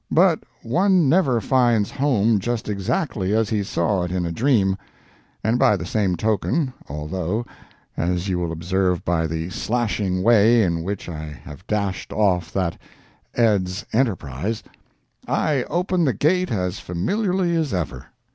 But one never finds home just exactly as he saw it in a dream; and by the same token, although (as you will observe by the slashing way in which I have dashed off that "EDS. ENTERPRISE,") I open the gate as familiarly as ever.